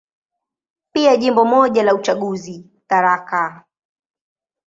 Pia Jimbo moja la uchaguzi, Tharaka.